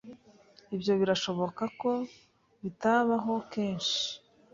Ibyo birashoboka ko bitabaho kenshi.